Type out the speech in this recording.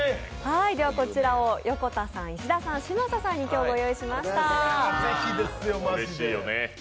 こちらを横田さん、石田さん嶋佐さんにご用意しました。